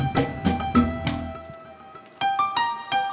makasih aklqué aneh being olay